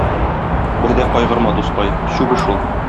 Бер дә кайгырма, дускай, чүп эш ул.